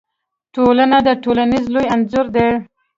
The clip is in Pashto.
ټولنه د ښوونځي لوی انځور دی.